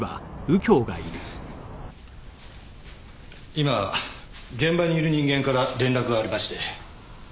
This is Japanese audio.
今現場にいる人間から連絡がありまして。